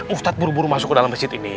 ustadz buru buru masuk ke dalam masjid ini